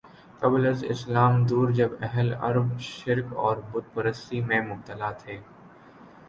قبل از اسلام دور جب اہل عرب شرک اور بت پرستی میں مبتلا تھے